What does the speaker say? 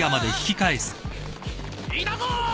いたぞ！